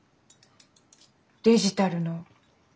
デジタルの勉強。